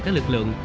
các lực lượng